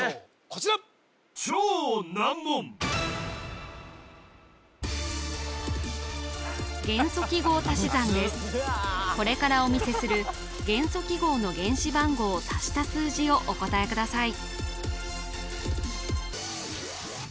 こちらこれからお見せする元素記号の原子番号を足した数字をお答えください